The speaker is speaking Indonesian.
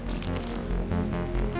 misalnya ada orang instagram